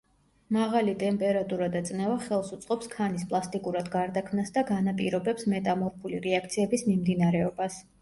მაღალი ტემპერატურა და წნევა ხელს უწყობს ქანის პლასტიკურად გარდაქმნას და განაპირობებს მეტამორფული რეაქციების მიმდინარეობას.